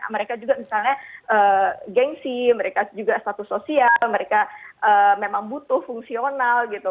mereka juga misalnya gengsi mereka juga status sosial mereka memang butuh fungsional gitu